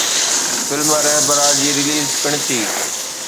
Film ”Rahbara“ جي release پڻ ٿي.